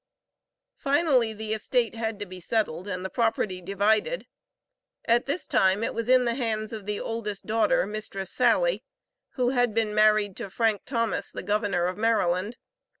Finally the estate had to be settled, and the property divided. At this time it was in the hands of the oldest daughter, Mistress Sally, who had been married to Frank Thomas, the Governor of Maryland.